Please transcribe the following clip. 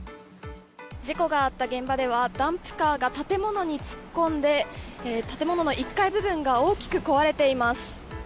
事故があった現場ではダンプカーが建物に突っ込んで建物の１階部分が大きく壊れています。